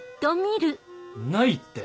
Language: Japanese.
ないって！